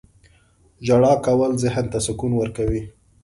• ژړا کول ذهن ته سکون ورکوي.